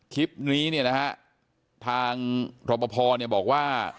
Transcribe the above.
คลิปนี้ทางภรรพพอร์บอกว่า